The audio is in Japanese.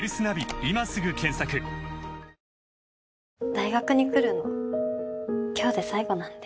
大学に来るの今日で最後なんで。